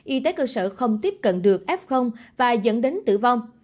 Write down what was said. y tế cơ sở không tiếp cận được f và dẫn đến tử vong